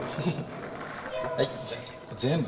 はいじゃあ全部。